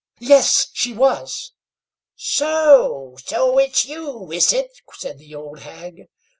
Yes, she was. "So, so; it's you, is it?" said the old hag.